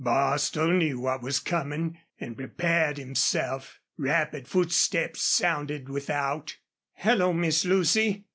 Bostil knew what was coming and prepared himself. Rapid footsteps sounded without. "Hello, Miss Lucy!